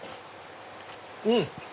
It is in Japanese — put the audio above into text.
うん！